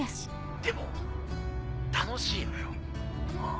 でも楽しいのようん。